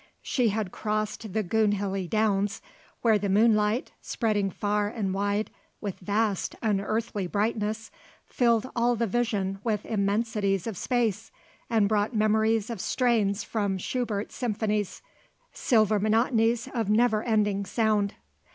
She had crossed the Goonhilly Downs where the moonlight, spreading far and wide with vast unearthly brightness, filled all the vision with immensities of space and brought memories of strains from Schubert's symphonies, silver monotonies of never ending sound.